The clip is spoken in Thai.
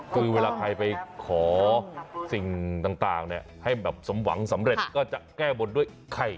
คือเวลาใครไปขอสิ่งต่างให้แบบสมหวังสำเร็จก็จะแก้บนด้วยไข่